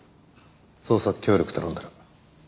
捜査協力頼んだら。